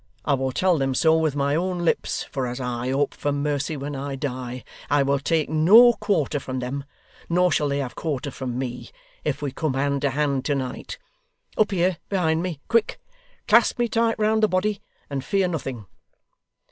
I will tell them so with my own lips; for as I hope for mercy when I die, I will take no quarter from them, nor shall they have quarter from me, if we come hand to hand to night. Up here behind me quick! Clasp me tight round the body, and fear nothing.